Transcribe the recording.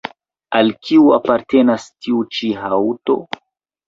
Al kiu apartenas tiu ĉi haŭto?